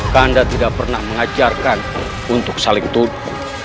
anda tidak pernah mengajarkan untuk saling tuduh